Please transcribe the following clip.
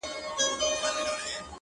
گراني په دې ياغي سيتار راته خبري کوه.